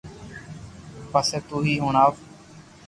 پسي تو ھي ھڻاوي